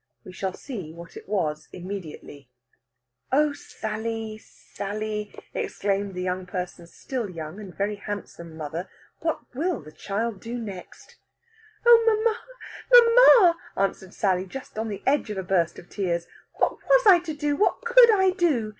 We shall see what it was immediately. "Oh, Sally, Sally!" exclaimed that young person's still young and very handsome mother. "What will the child do next?" "Oh, mamma, mamma!" answers Sally, just on the edge of a burst of tears; "what was I to do? What could I do?